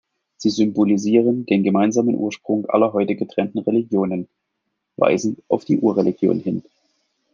Sie symbolisieren den gemeinsamen Ursprung aller heute getrennten Religionen, weisen auf die Ur-Religion hin.